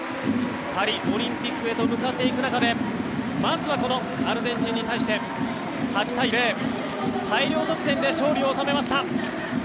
パリオリンピックへと向かっていく中でまずはこのアルゼンチンに対して８対０大量得点で勝利を収めました。